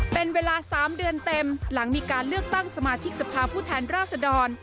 เป็นเวลา๓เดือนเต็มหลังมีการเลือกตั้งสมาชิกสภาพผู้แทนราษดร